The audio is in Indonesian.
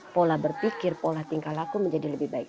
pola berpikir pola tingkah laku menjadi lebih baik